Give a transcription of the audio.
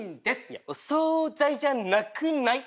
いやお総菜じゃなくない？